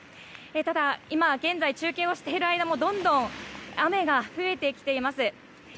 ただ、今現在中継をしている間もどんどん雨が増えてきています。